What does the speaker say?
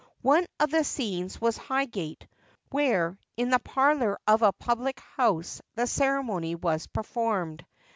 One of the scenes was Highgate, where, in the 'parlour' of a public house, the ceremony was performed.